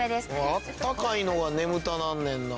あったかいのが眠たなんねんな。